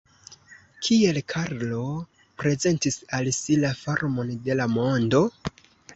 Kiel Karlo prezentis al si la formon de la mondo?